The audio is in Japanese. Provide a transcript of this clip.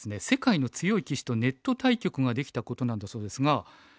世界の強い棋士とネット対局ができたことなんだそうですが。